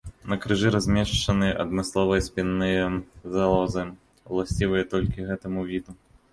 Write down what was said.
На крыжы размешчаны адмысловыя спінныя залозы, уласцівыя толькі гэтаму віду.